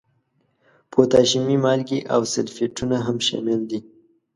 پوتاشیمي مالګې او سلفیټونه هم شامل دي.